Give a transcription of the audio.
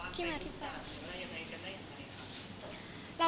สวัสดีครับ